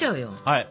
はい。